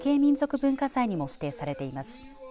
文化財にも指定されています。